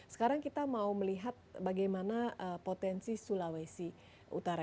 sekarang kita mau melihat bagaimana potensi sulawesi utara